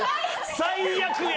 最悪や！